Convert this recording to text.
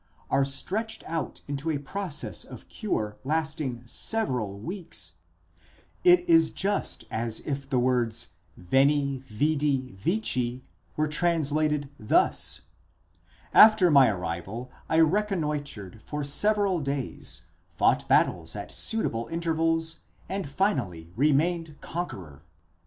11) are stretched out into a process of cure lasting several weeks, it is just as if the words vend, vidt, υἱεῖ, were translated thus: After my arrival I reconnoitred for several days, fought battles at suitable intervals, and finally remained conqueror.